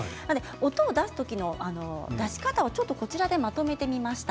音を出す時の出し方をちょっとまとめてみました。